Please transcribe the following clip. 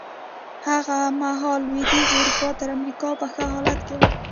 هغه مهال لوېدیځه اروپا تر امریکا په ښه حالت کې وه.